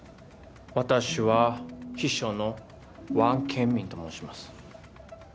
ワタシは秘書の王ケンミンと申します。